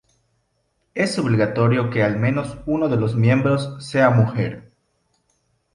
Es obligatorio que al menos uno de los miembros sea mujer.